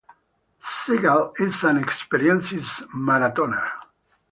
Segal is an experienced marathoner.